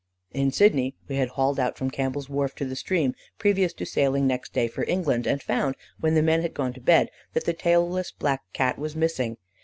"In Sydney we had hauled out from Campbell's Wharf to the stream, previous to sailing next day for England, and found, when the men had gone to bed, that the tailless black Cat was missing.